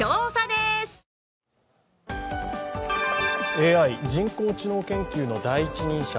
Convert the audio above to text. ＡＩ＝人工知能研究の第一人者